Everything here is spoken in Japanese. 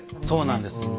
そうなんです。